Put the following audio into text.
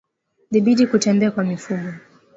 Dhibiti kutembea kwa mifugo